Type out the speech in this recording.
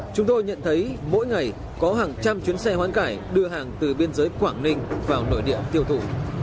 chúng tôi nhận thấy mỗi ngày có hàng trăm chuyến xe hoán cải đưa hàng từ biên giới quảng ninh vào nội địa tiêu thụ